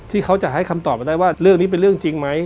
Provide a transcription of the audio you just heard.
ที่เขาจะให้คำตอบมาได้ว่าเรื่องนี้เป็นเรื่องจริงไหม